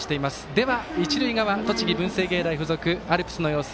では、一塁側栃木、文星芸大付属アルプスの様子